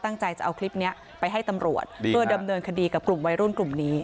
จะเอาคลิปนี้ไปให้ตำรวจเพื่อดำเนินคดีกับกลุ่มวัยรุ่นกลุ่มนี้